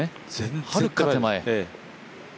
はるか手前。